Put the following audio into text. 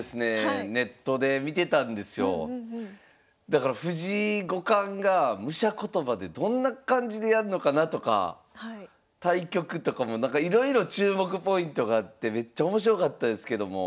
だから藤井五冠が武者言葉でどんな感じでやるのかなとか対局とかもなんかいろいろ注目ポイントがあってめっちゃ面白かったですけども。